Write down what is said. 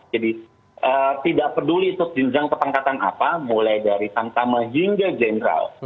jadi tidak peduli itu sejenis ketangkatan apa mulai dari tamtama hingga general